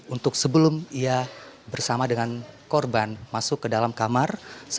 untuk sebelum ia bersama dengan korban masuk ke dalam kamar satu ratus dua